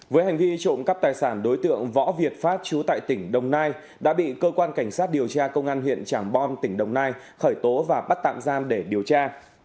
với hành vi trộm cắp tài sản đối tượng võ việt phát trú tại tỉnh đồng nai đã bị cơ quan cảnh sát điều tra công an huyện trảng bom tỉnh đồng nai khởi tố và bắt tạm giam để điều tra